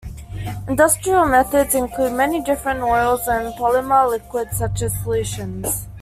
Industrial methods include many different oils, and polymer liquids such as solutions.